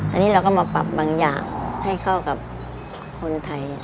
อันนี้เราก็มาปรับบางอย่างให้เข้ากับคนไทย